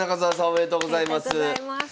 おめでとうございます。